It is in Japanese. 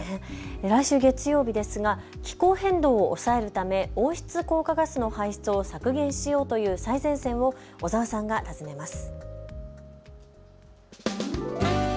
来週月曜日、気候変動を抑えるため温室効果ガスの排出を削減しようという最前線を小澤さんが訪ねます。